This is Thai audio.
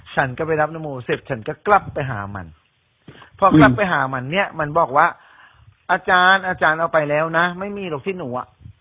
ฉันก็ไปรับนโมเสร็จฉันก็กลับไปหามันพอกลับไปหามันเนี่ยมันบอกว่าอาจารย์อาจารย์เอาไปแล้วนะไม่มีหรอกที่หนูอ่ะ